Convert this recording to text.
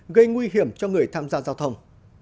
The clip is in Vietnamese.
gây nguy hiểm cho người tham gia giao thông